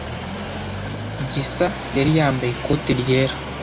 Gisa yari yambaye ikote ryera.